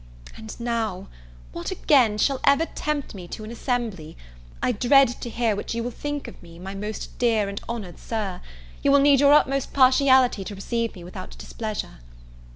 And now, what again shall ever tempt me to an assembly? I dread to hear what you will think of me, my most dear and honoured Sir: you will need your utmost partiality to receive me without displeasure.